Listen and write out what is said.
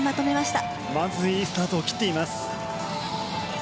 まずいいスタートを切っています。